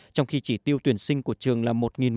trong khi chỉ tiêu tuyển sinh của trường là một một trăm